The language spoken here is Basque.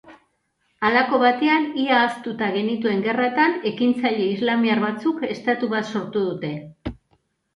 Halako batean ia ahaztuta genituen gerratan ekintzaile islamiar batzuk estatu bat sortu dute.